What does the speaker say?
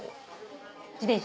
自転車？